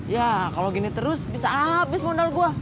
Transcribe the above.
ya kalau gini terus bisa habis modal gue